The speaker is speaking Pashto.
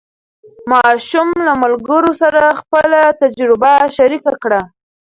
ماشوم له ملګرو سره خپله تجربه شریکه کړه